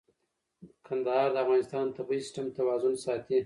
کندهار د افغانستان د طبعي سیسټم توازن ساتي.